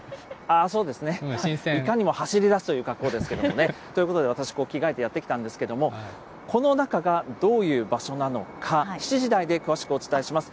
いかにも走り出すという格好ですけどね。ということで、私、着替えてやって来たんですけれども、この中がどういう場所なのか、７時台で詳しくお伝えします。